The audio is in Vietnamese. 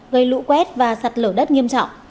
gây lũ quét và sặt lở đất nghiêm trọng